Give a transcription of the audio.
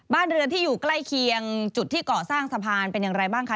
บ้านเรือนที่อยู่ใกล้เคียงจุดที่ก่อสร้างสะพานเป็นอย่างไรบ้างคะ